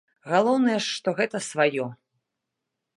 Галоўнае ж, што гэта сваё.